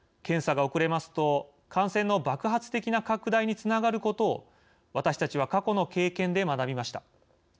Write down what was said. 検査が遅れますと、感染の爆発的な拡大につながることを私たちは過去の経験で学びました。